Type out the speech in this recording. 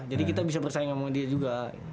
jadi kita bisa bersaing sama dia juga